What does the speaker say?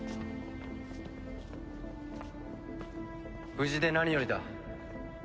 無事で何よりだ。